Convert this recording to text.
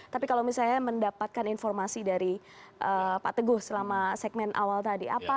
tapi kalau misalnya mendapatkan informasi dari pak teguh selama segmen awal tadi